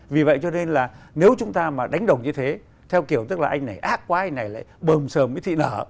vì vậy cho nên là nếu chúng ta mà đánh đồng như thế theo kiểu tức là anh này ác quá anh này lại bầm sờm với thị nở